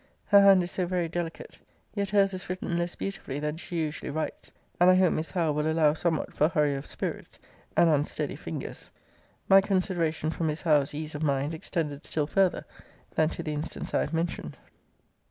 Her hand is so very delicate. Yet her's is written less beautifully than she usually writes: and I hope Miss Howe will allow somewhat for hurry of spirits, and unsteady fingers. My consideration for Miss Howe's ease of mind extended still farther than to the instance I have mentioned.